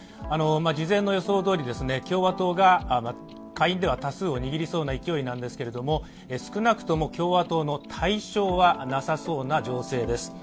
事前の予想どおり、共和党が下院では多数を握りそうな勢いなんですが少なくとも共和党の大勝はなさそうな情勢です